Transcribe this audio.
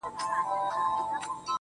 بابولاره وروره راسه تې لار باسه.